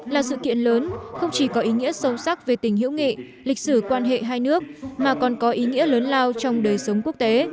là sự kiện lớn không chỉ có ý nghĩa sâu sắc về tình hữu nghị lịch sử quan hệ hai nước mà còn có ý nghĩa lớn lao trong đời sống quốc tế